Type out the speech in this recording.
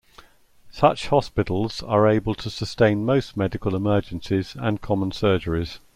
Such hospitals are able to sustain most medical emergencies and common surgeries.